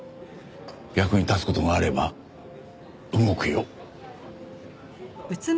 役に立つ事があれば動くよ。